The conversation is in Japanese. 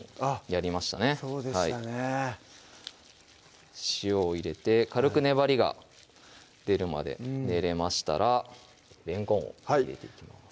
そうでしたね塩を入れて軽く粘りが出るまで練れましたられんこんを入れていきます